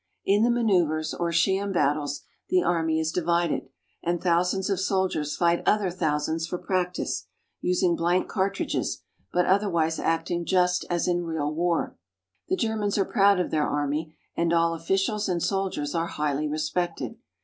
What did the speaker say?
In the maneuvers or sham battles the army is divided, and thousands of soldiers fight other thousands for practice, using blank cartridges, but otherwise acting just as in real war. The Germans are proud of their army, and all officials and soldiers are highly respected.